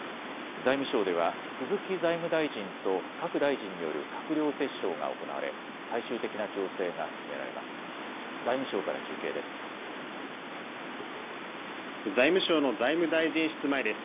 財務省では鈴木財務大臣と各大臣による閣僚折衝が行われ最終的な調整が進められます。